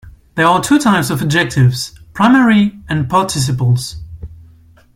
There are two types of adjectives: primary and participles.